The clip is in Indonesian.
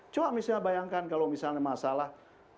coba misalnya bayangkan kalau misalnya masalah